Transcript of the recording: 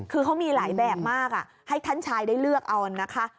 คือเขามีหลายแบบมากให้ท่านชายได้เลือกเอานะคะ